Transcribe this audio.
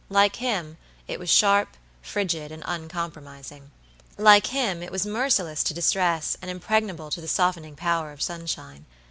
Like him, it was sharp, frigid, and uncompromising: like him, it was merciless to distress and impregnable to the softening power of sunshine.